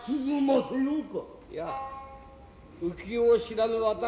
いや浮世を知らぬ私